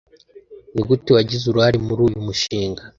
Nigute wagize uruhare muri uyu mushinga?